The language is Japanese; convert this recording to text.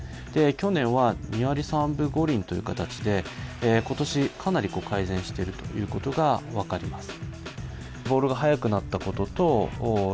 去年は２割３分５厘という形で今年、かなり改善していることが分かります。